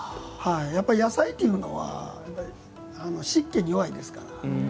やっぱり野菜というのは湿気に弱いですから。